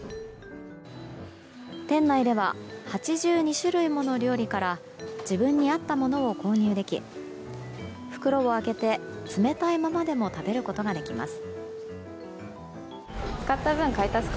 店内では８２種類もの料理から自分に合ったものを購入でき袋を開けて冷たいままでも食べることができます。